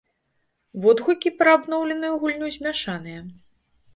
Водгукі пра абноўленую гульню змяшаныя.